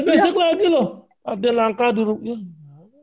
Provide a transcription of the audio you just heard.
masih besok lagi loh